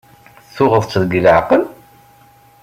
Tuɣeḍ-tt deg leɛqel?